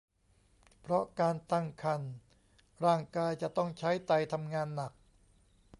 เพราะการตั้งครรภ์ร่างกายจะต้องใช้ไตทำงานหนัก